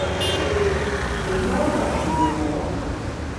Melmi ara ferzen lumur?